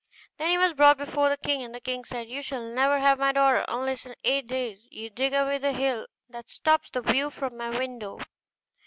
Then he was brought before the king, and the king said, 'You shall never have my daughter unless in eight days you dig away the hill that stops the view from my window.